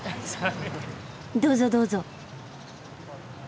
どうぞどうぞ。